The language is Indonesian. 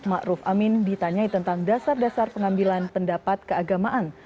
ma'ruf amin ditanyai tentang dasar dasar pengambilan pendapat keagamaan